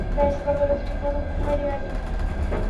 ব্যাস গতরাতে ঠিকমত ঘুম হয়নি আরকি।